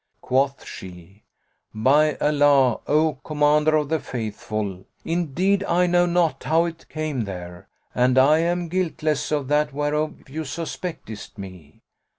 Quoth she, "By Allah, O Commander of the Faithful, indeed I know not how it came there and I am guiltless of that whereof you suspectest me."